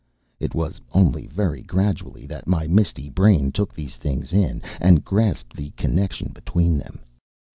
It was only very gradually that my misty brain took these things in, and grasped the connection between them.